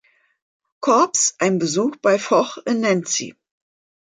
Korps ein Besuch bei Foch in Nancy.